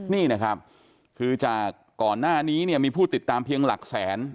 นี่นะครับคือจากก่อนหน้านี้เนี่ยมีผู้ติดตามเพียงหลักแสน